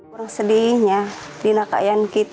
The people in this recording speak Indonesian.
kurang sedihnya di nakayan kita